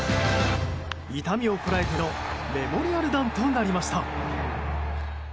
痛みをこらえてのメモリアル弾となりました。